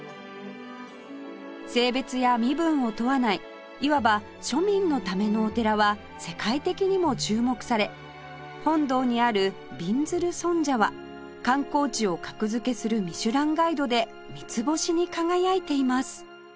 性別や身分を問わないいわば庶民のためのお寺は世界的にも注目され本堂にあるびんずる尊者は観光地を格付けする『ミシュランガイド』で三ツ星に輝いています